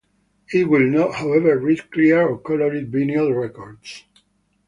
It will not, however, read clear or colored vinyl records.